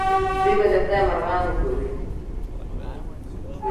دوی به د خدای مرغان وګوري.